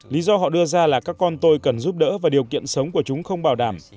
lý do họ đưa ra là các con tôi cần giúp đỡ và điều kiện sống của chúng không bảo đảm